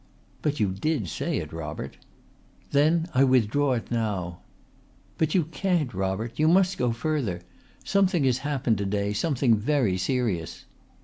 "But you did say it, Robert." "Then I withdraw it now." "But you can't, Robert. You must go further. Something has happened to day, something very serious."